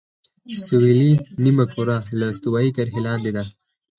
سویلي نیمهکره له استوایي کرښې لاندې ده.